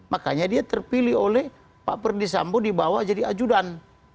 makanya dia terpilih oleh pak perdisambo dibawa jadi ajudan